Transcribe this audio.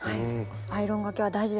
アイロンがけは大事ですね。